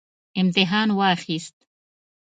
امتحان واخیست